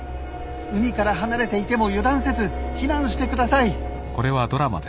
海から離れていても油断せず避難してください」。